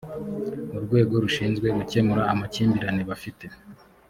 urwego rushinzwe gukemura amakimbirane bafite